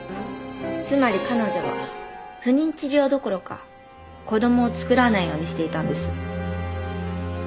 つまり彼女は不妊治療どころか子供をつくらないようにしていたんです。